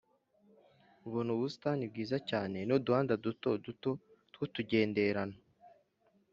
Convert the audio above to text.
ubona ubusitani bwiza cyane n’uduhanda dutoduto tw’utugenderano